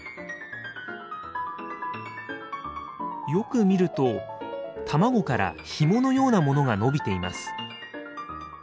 よく見ると卵からひものようなものがのびています。